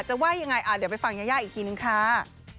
ว่ายังไงเดี๋ยวไปฟังยายาอีกทีนึงค่ะ